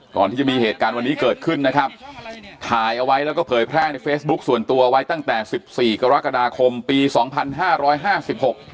ก่อนที่จะมีเหตุการณ์วันนี้เกิดขึ้นนะครับถ่ายเอาไว้แล้วก็เผยแพร่ในเฟซบุ๊คส่วนตัวไว้ตั้งแต่สิบสี่กรกฎาคมปีสองพันห้าร้อยห้าสิบหก